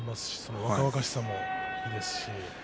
若々しさもいいですね。